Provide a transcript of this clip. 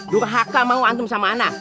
durhaka mau antum sama anak